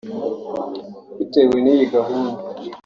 Bitewe n’iyi gahunda